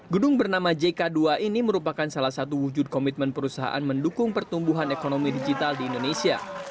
gedung bernama jk dua ini merupakan salah satu wujud komitmen perusahaan mendukung pertumbuhan ekonomi digital di indonesia